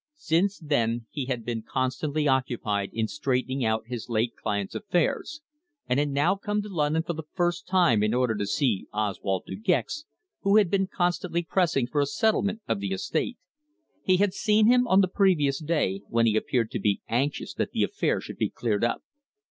Since then he had been constantly occupied in straightening out his late client's affairs, and had now come to London for the first time in order to see Oswald De Gex, who had been constantly pressing for a settlement of the estate. He had seen him on the previous day, when he appeared to be anxious that the affair should be cleared up.